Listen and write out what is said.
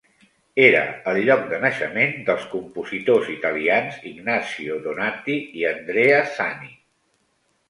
Era el lloc de naixement dels compositors italians Ignazio Donati i Andrea Zani.